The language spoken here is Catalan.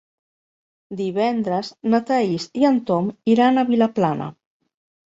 Divendres na Thaís i en Tom iran a Vilaplana.